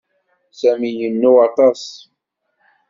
Sami yennuɣ aṭas.